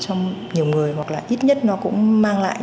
thì nên lan tỏa cho nhiều người hoặc là ít nhất nó cũng mang lại